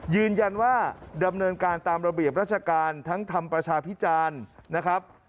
ยืนยันว่าดำเนินการตามระเบียบราชการทั้งทำประชาพิจารณ์นะครับ